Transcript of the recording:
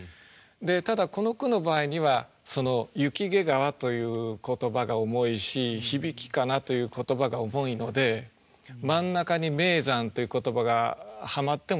でただこの句の場合には「雪解川」という言葉が重いし「響かな」という言葉が重いので真ん中に「名山」という言葉がはまってもですね